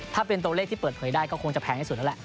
ถ้าเป็นตัวเลขที่เปิดเผยได้ก็คงจะแพงที่สุดแล้วแหละ